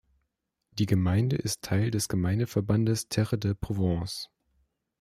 Die Gemeinde ist Teil des Gemeindeverbandes Terre de Provence.